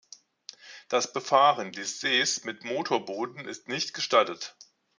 Das Befahren des Sees mit Motorbooten ist nicht gestattet.